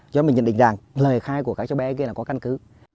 cho nên mình nhận định rằng lời khai của các cháu bé kia là có căn cứ